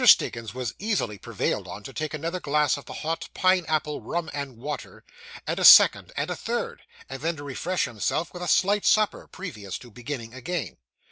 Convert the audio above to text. Stiggins was easily prevailed on to take another glass of the hot pine apple rum and water, and a second, and a third, and then to refresh himself with a slight supper, previous to beginning again.